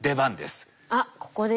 あっここでですね。